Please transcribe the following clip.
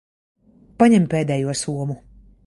Paņem pēdējo somu.